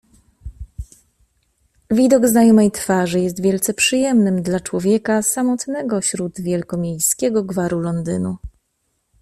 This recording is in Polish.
"Widok znajomej twarzy jest wielce przyjemnym dla człowieka samotnego śród wielkomiejskiego gwaru Londynu."